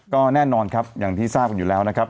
ก็แน่นอนครับอย่างที่ทราบกันอยู่แล้วนะครับ